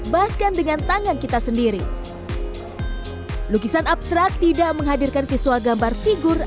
bahkan dengan tangan kita sendiri lukisan abstrak tidak menghadirkan visual gambar figur